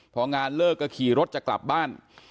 พองานเลิกก็ขี่รถจะกลับบ้าน